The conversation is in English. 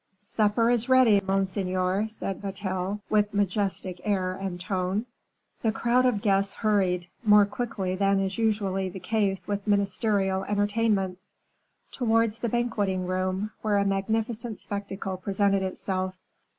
"Supper is ready, monseigneur," said Vatel, with majestic air and tone. The crowd of guests hurried, more quickly than is usually the case with ministerial entertainments, towards the banqueting room, where a magnificent spectacle presented itself.